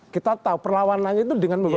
kita tahu perlawanannya itu dengan